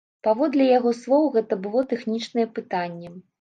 Паводле яго слоў, гэта было тэхнічнае пытанне.